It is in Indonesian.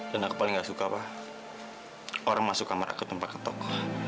dan aku paling tidak suka pak orang masuk kamar aku tanpa ketok